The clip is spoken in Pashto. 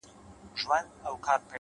ستا وه څادرته ضروت لرمه،